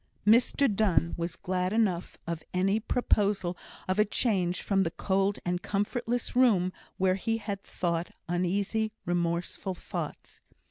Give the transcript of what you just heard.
Mr Donne was glad enough of any proposal of a change from the cold and comfortless room where he had thought uneasy, remorseful thoughts.